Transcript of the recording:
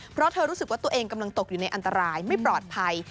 เพราะเธอรู้สึกว่าตัวเองกำลังตกอยู่ในอันตรายไม่ปลอดภัย